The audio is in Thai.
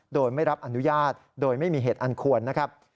โดยไม่รับอนุญาตโดยไม่มีเหตุอันควรนะครับ